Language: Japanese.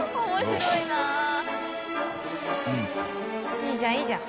いいじゃんいいじゃん。